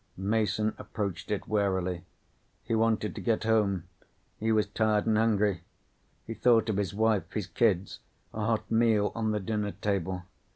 Mason approached it warily. He wanted to get home. He was tired and hungry. He thought of his wife, his kids, a hot meal on the dinner table.